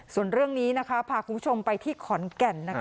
ส่วนเรื่องนี้นะคะพาคุณผู้ชมไปที่ขอนแก่นนะคะ